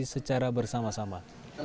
korupsi secara bersama sama